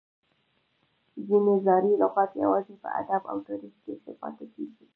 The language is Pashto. ځینې زاړي لغات یوازي په ادب او تاریخ کښي پاته کیږي.